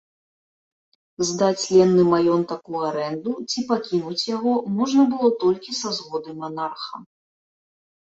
Здаць ленны маёнтак у арэнду ці пакінуць яго можна было толькі са згоды манарха.